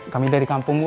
kami dari kampung bu